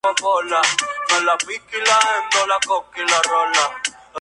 Esto no afecta a la simetría pero si a las mediciones verticales.